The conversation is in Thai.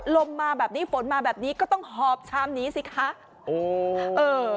ลมมาแบบนี้ฝนมาแบบนี้ก็ต้องหอบชามนี้สิคะโอ้เออ